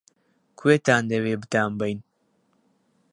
-کوێتان دەوێ بتانبەین؟